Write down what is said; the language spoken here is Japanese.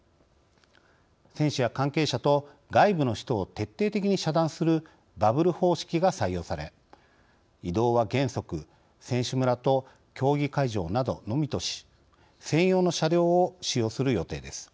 選手や関係者と外部の人を徹底的に遮断するバブル方式が採用され移動は原則選手村と競技会場などのみとし専用の車両を使用する予定です。